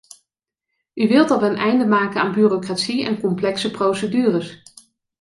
U wilt dat we een einde maken aan bureaucratie en complexe procedures.